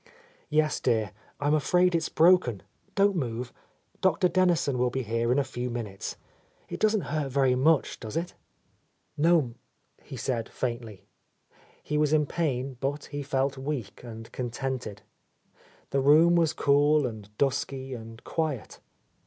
"Yes, dear. I'm afraid it's broken. Don't move. Dr. Dennison will be here in a few minutes. It doesn't hurt very much, does it?" "No'm," he said faintly. He was in pain, but he felt weak and contented. The room was cool and dusky and quiet.